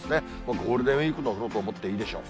ゴールデンウィークのころと思っていいでしょう。